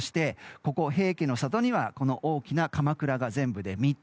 ここ平家の里には大きなかまくらが全部で３つ。